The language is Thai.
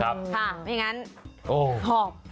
ไม่อย่างนั้นออก